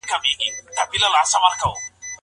ايا نجلۍ خپل ځان په نکاح ورکولای سي؟